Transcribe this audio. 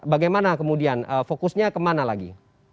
bagaimana kemudian fokusnya kemana lagi